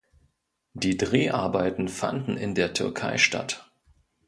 Die Dreharbeiten fanden in der Türkei statt.